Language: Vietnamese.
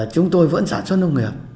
chúng tôi vẫn sản xuất nông nghiệp